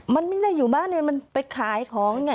มันไม่ได้อยู่บ้านเนี่ยมันไปขายของเนี่ย